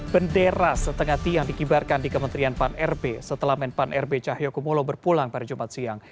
bendera setengah tiang dikibarkan di kementerian pan rb setelah menpan rb cahyokumolo berpulang pada jumat siang